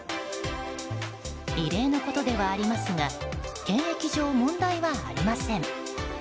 異例のことではありますが検疫上、問題はありません。